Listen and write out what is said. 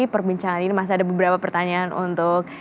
perbincangan ini masih ada beberapa pertanyaan untuk